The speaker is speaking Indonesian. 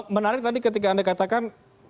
menarik tadi ketika anda katakan